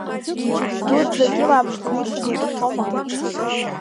Мчыбжьы дуӡӡак имааԥшӡо ицәоу дубахьоума?